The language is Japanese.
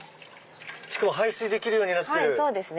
しかも排水できるようになってる。